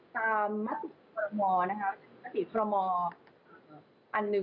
ตามมาตรีธรมอัน๑วันที่๔๒๙๒